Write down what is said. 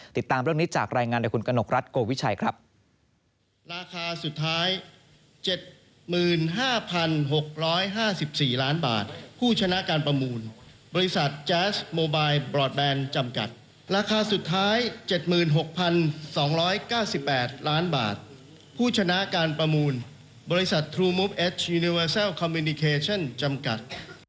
ติดตามเรื่องนี้จากรายงานโดยคุณกนกรัฐโกวิชัยครับ